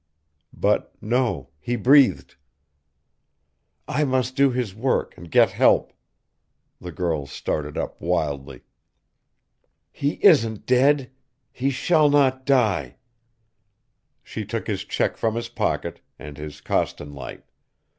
But no, he breathed! "I must do his work, and get help!" the girl started up wildly. "He isn't dead! He shall not die!" She took his check from his pocket, and his Coston light.